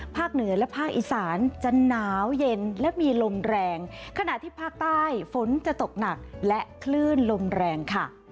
เหนือและภาคอีสานจะหนาวเย็นและมีลมแรงขณะที่ภาคใต้ฝนจะตกหนักและคลื่นลมแรงค่ะ